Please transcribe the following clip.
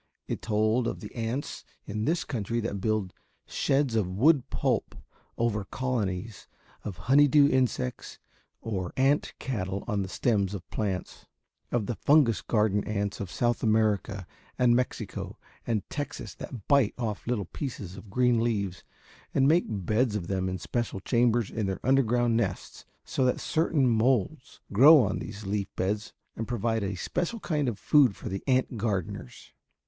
It told of the ants in this country that build sheds of wood pulp over colonies of honey dew insects or ant cattle on the stems of plants; of the fungus garden ants of South America and Mexico and Texas that bite off little pieces of green leaves and make beds of them in special chambers in their underground nests, so that certain moulds grow on these leaf beds and provide a special kind of food for the ant gardeners.